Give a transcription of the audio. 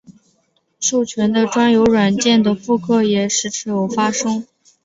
授权的专有软件的复刻也时有发生。